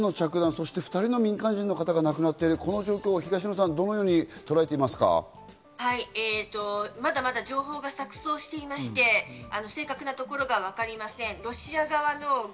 そして２人の民間人の方が亡くなっているこの状況、東野さんはどまだまだ情報が錯綜していまして、正確なところがわかりません。